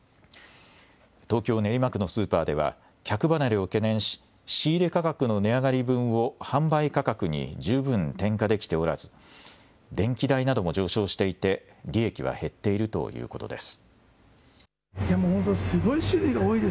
東京練馬区のスーパーでは客離れを懸念し、仕入れ価格の値上がり分を販売価格に十分転嫁できておらず電気代なども上昇していて利益は減っているということです。